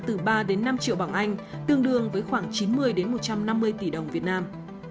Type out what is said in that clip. từ ba đến năm triệu bảng anh tương đương với khoảng chín mươi một trăm năm mươi tỷ đồng việt nam